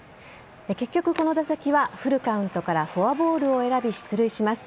結局、この打席はフルカウントからフォアボールを選び、出塁します。